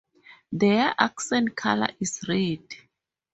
Their accent colour is red.